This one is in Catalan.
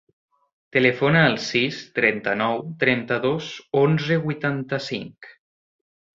Telefona al sis, trenta-nou, trenta-dos, onze, vuitanta-cinc.